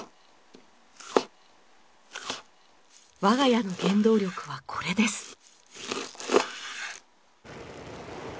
我が家の原動力はこれです。